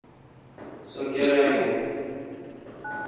سو کیرا یون۔